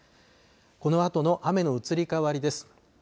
このあとの雨の移り変わりです。